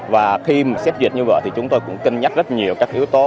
và khi xét duyệt như vậy thì chúng tôi cũng kinh nhắc rất nhiều các yếu tố